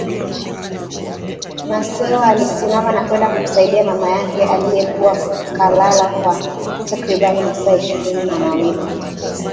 Masewa alisimama na kwenda kumsaidia mamake aliyekuwa kalala kwa takriban masaa ishirini na mawili